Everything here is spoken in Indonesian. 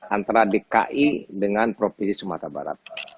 antara dki dengan provinsi sumatera barat